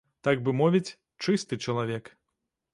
Так бы мовіць, чысты чалавек.